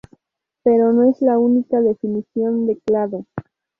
Pero no es la única definición de clado.